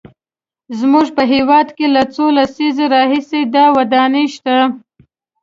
زموږ په هېواد کې له څو لسیزو راهیسې دا ودانۍ شته.